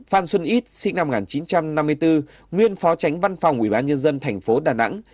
bốn phan xuân ít sinh năm một nghìn chín trăm năm mươi bốn nguyên phó tránh văn phòng ủy ban nhân dân tp đà nẵng